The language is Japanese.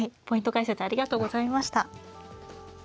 解説ありがとうございました。